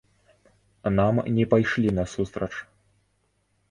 Нам не пайшлі насустрач.